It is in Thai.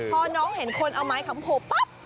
พอน้องเห็นคนเอาไม้คำโผล่ปั๊บ